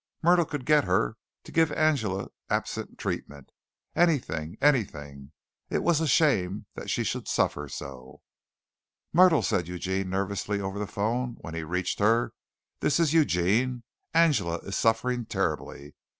Myrtle could get her to give Angela absent treatment. Anything, anything it was a shame that she should suffer so. "Myrtle," he said nervously over the phone, when he reached her, "this is Eugene. Angela is suffering terribly.